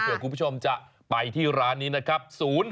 เพื่อคุณผู้ชมจะไปที่ร้านนี้นะครับ